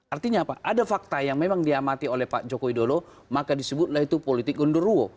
artinya apa ada fakta yang memang diamati oleh pak joko widodo maka disebutlah itu politik undurwo